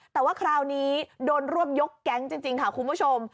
แต่ว่าคราวนี้โดนรวบยกแก๊งจริงค่ะคุณผู้ชม